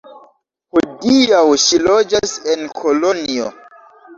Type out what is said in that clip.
Hodiaŭ ŝi loĝas en Kolonjo.